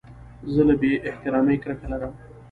زه له بې احترامۍ کرکه لرم.